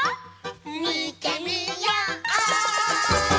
みてみよう！